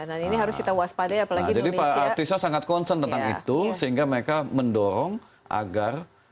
dan ini harus kita waspada ya jadi para aktor sangat concern tentang itu sehingga mereka mendorong agar